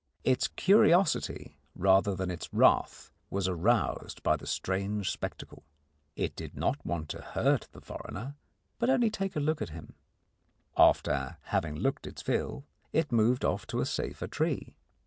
Its curiosity rather than its wrath was aroused by the strange spectacle. It did not want to hurt the foreigner, but only to look at him. After having looked its fill, it moved off to a safer tree.